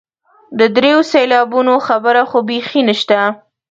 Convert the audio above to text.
د دریو سېلابونو خبره خو بیخي نشته.